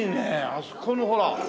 あそこのほら。